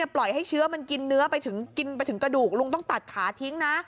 ปล่อยให้เชื้อมันกินเนื้อไปถึงกินไปถึงกระดูกลุงต้องตัดขาทิ้งนะ